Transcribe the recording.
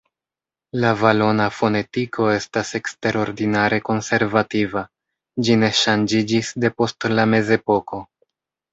La valona fonetiko estas eksterordinare konservativa: ĝi ne ŝanĝiĝis depost la Mezepoko.